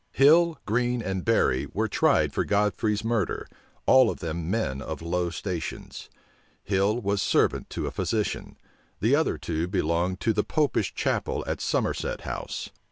Hill, Green, and Berry were tried for Godfrey's murder, all of them men of low stations. Hill was servant to a physician: the other two belonged to the Popish chapel at Somerset House.